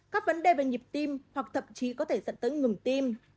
các vấn đề về nhịp tim hoặc thậm chí có thể dẫn tới ngừng tim